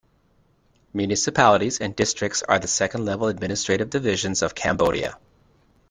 Municipalities and districts are the second-level administrative divisions of Cambodia.